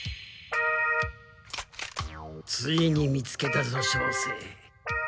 ついに見つけたぞ照星。